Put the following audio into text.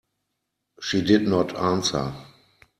She did not answer.